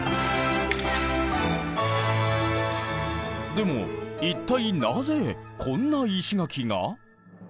でも一体なぜこんな石垣が？